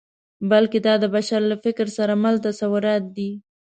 بلکې دا د بشر له فکر سره مل تصورات دي.